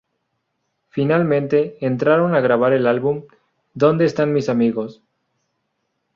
Finalmente, entraron a grabar el álbum "¿Dónde están mis amigos?